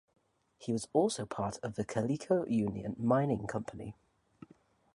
He was also part of the Calico Union Mining Company.